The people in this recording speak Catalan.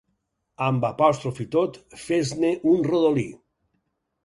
Amb apòstrof i tot, fes-ne un rodolí.